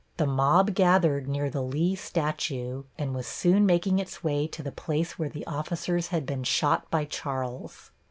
The mob gathered near the Lee statue and was soon making its way to the place where the officers had been shot by Charles.